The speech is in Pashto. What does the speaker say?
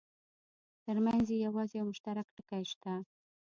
ترمنځ یې یوازې یو مشترک ټکی شته.